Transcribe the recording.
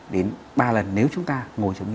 đến ba lần nếu chúng ta ngồi trong nhà